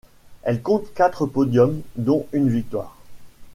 Elle compte quatre podiums dont une victoire.